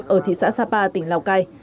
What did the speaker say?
ở thị xã sapa tỉnh lào cai